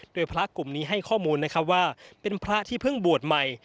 โดยพระกลุ่มนี้ให้ข้อมูลนะครับว่าเป็นพระที่เพิ่งบวชใหม่